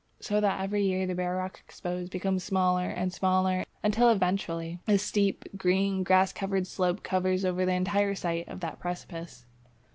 So that every year the bare rock exposed becomes smaller and smaller, until eventually a steep, green, grass covered slope covers over the entire site of that precipice.